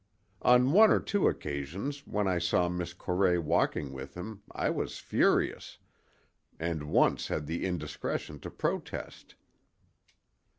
On one or two occasions when I saw Miss Corray walking with him I was furious, and once had the indiscretion to protest.